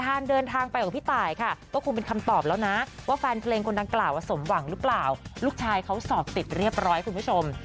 เดินทางไปกับพี่ตายค่ะก็คงเป็นคำตอบแล้วนะว่าแฟนเพลงคนดังกล่าวสมหวังหรือเปล่าลูกชายเขาสอบติดเรียบร้อยคุณผู้ชม